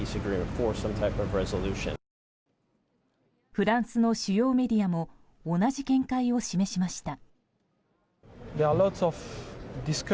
フランスの主要メディアも同じ見解を示しました。